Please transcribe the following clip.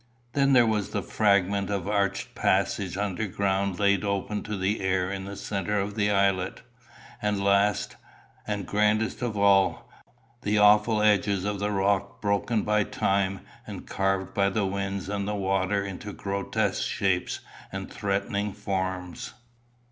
Then there was the fragment of arched passage underground laid open to the air in the centre of the islet; and last, and grandest of all, the awful edges of the rock, broken by time, and carved by the winds and the waters into grotesque shapes and threatening forms.